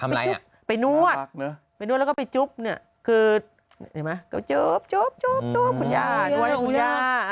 คุณย่านวดให้คุณย่า